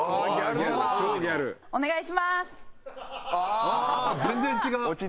ああ全然違う。